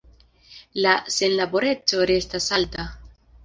La senlaboreco restas alta.